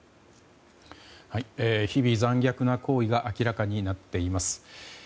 日々、残虐な行為が明らかになっています。